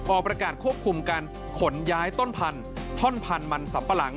ออกประกาศควบคุมการขนย้ายต้นพันธุ์ท่อนพันธุ์มันสัมปะหลัง